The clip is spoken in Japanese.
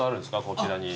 こちらに。